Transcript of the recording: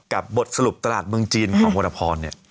บทสรุปตลาดเมืองจีนของวรพรเนี่ย